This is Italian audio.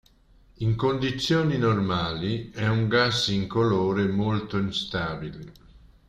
In condizioni normali è un gas incolore molto instabile.